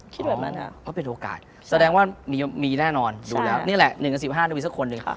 คิดเหมือนมันค่ะอเจมส์อ๋อก็เป็นโอกาสแสดงว่ามีแน่นอนดูแล้วนี่แหละ๑กับ๑๕นาทีสักคนเลยค่ะ